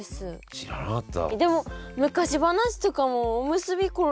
知らなかった。